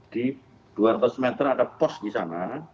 di dua ratus meter ada pos di sana